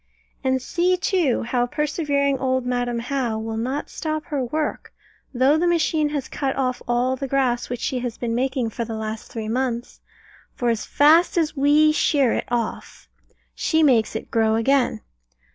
And see, too, how persevering old Madam How will not stop her work, though the machine has cut off all the grass which she has been making for the last three months; for as fast as we shear it off, she makes it grow again.